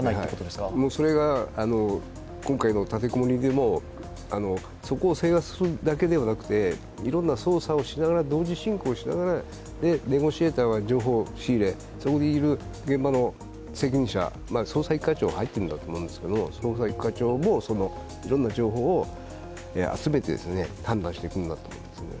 それが今回の立て籠もりでもそこを制圧するだけではなくていろんな捜査をしながら、同時進行しながらネゴシエーターは情報を仕入れ、そこにいる現場の責任者、捜査一課長は入っていると思うんですけどそのいろんな情報を集めて判断していくんだと思うんですね。